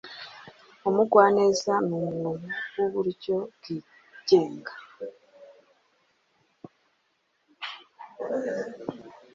Umugwaneza ni umuntu wuburyo bwigenga.